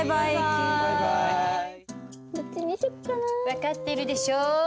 分かってるでしょう？